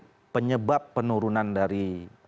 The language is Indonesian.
jadi penyebab penurunan dari